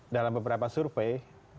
dalam beberapa survei